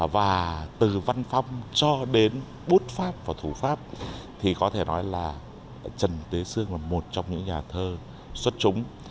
và từ văn phong cho đến bút pháp và thủ pháp thì có thể nói là trần tế sương là một trong những nhà thơ xuất chúng